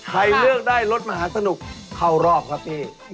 ใครเลือกได้รถมหาสนุกเข้ารอบครับพี่